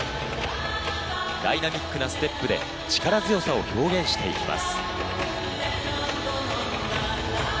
ダイナミックなステップで力強さを表現して行きます。